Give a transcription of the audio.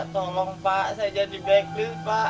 tolong pak saya jadi baiklah pak